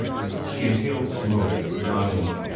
She inhaled smoke, nodding.